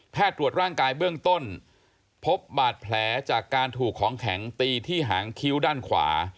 ตรวจร่างกายเบื้องต้นพบบาดแผลจากการถูกของแข็งตีที่หางคิ้วด้านขวา